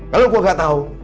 kalau gue gak tau